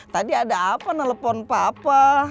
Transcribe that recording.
tadi ada apa nelfon papa